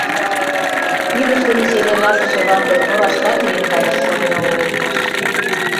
Илыш дене чеверласыше вате торашкат ийын каяш шонен огыл улмаш.